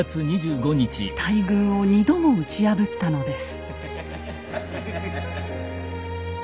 大軍を２度も打ち破ったのです。